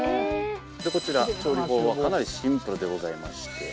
でこちら調理法はかなりシンプルでございまして。